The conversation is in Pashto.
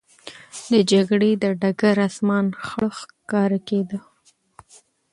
د جګړې د ډګر آسمان خړ ښکاره کېده.